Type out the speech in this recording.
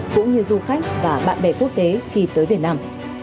cũng như du khách và bạn bè quốc tế khi tới việt nam